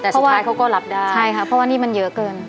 ใช่ค่ะเพราะว่านี่มันเยอะเกิน